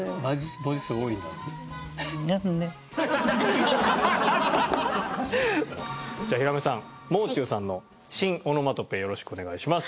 「です」じゃあひらめさんもう中さんの新オノマトペよろしくお願いします。